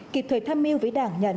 kịp thời tham mưu với đảng nhà nước